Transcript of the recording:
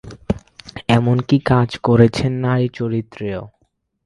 এমনকি কাজ করেছেন নারী চরিত্রেও।